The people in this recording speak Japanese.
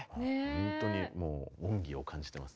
本当にもう恩義を感じてます